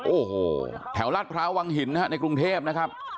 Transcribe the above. โอ้โหแถวราชพระวังหินในกรุงเทพนะครับ